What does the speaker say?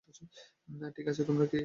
ঠিক আছে, তোমরা কে?